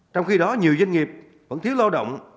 trong khi đó nhiều doanh nghiệp vẫn thiếu lao động